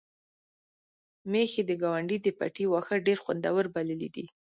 میښې د ګاونډي د پټي واښه ډېر خوندور بللي دي.